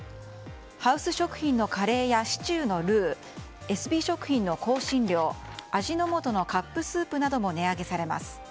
ハウス食品のカレーやシチューのルーエスビー食品の香辛料味の素のカップスープなども値上げされます。